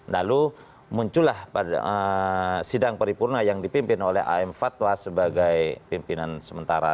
lalu muncullah pada sidang paripurna yang dipimpin oleh am fatwa sebagai pimpinan sementara